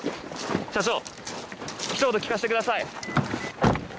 社長、ひと言聞かせてください。